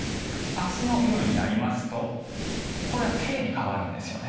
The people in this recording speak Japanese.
明日の夜になりますとこれは低に変わるんですね。